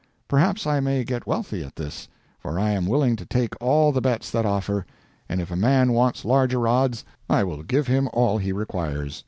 Perhaps I may get wealthy at this, for I am willing to take all the bets that offer; and if a man wants larger odds, I will give him all he requires.